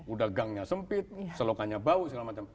udah gangnya sempit selokannya bau segala macam